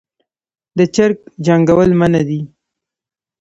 د چرګ جنګول منع دي